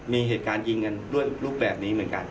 มีเหตุการณ์ยิงกันด้วยรูปแบบนี้เหมือนกัน